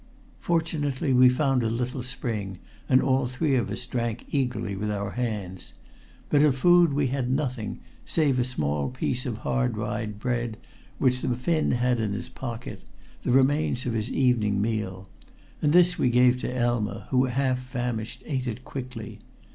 Fortunately we found a little spring, and all three of us drank eagerly with our hands. But of food we had nothing, save a small piece of hard rye bread which the Finn had in his pocket, the remains of his evening meal; and this we gave to Elma, who, half famished, ate it quickly.